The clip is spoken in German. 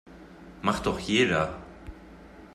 Macht doch jeder.